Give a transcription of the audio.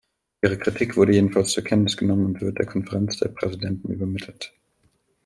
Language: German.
Ihre Kritik wurde jedenfalls zur Kenntnis genommen und wird der Konferenz der Präsidenten übermittelt.